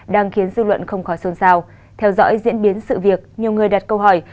đang khiến dư luận không khó xôn xao theo dõi diễn biến sự việc nhiều người đặt câu hỏi